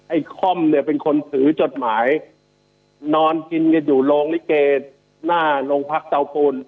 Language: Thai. ค่อมเนี่ยเป็นคนถือจดหมายนอนกินกันอยู่โรงลิเกหน้าโรงพักเตาปูน